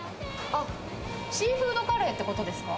あっ、シーフードカレーっていうことですか？